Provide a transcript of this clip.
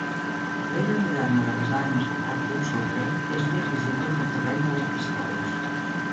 L'era moderna de les armes de foc d'un sol tret és més visible en el terreny de les pistoles.